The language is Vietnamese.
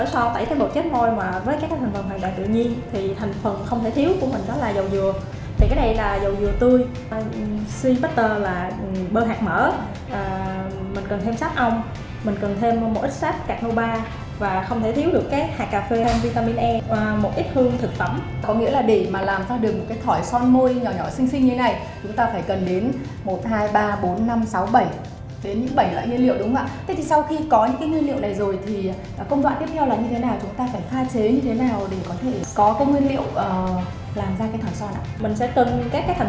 đây chính là cây son tẩy tế bào chết do tôi và chị tâm cùng thực hiện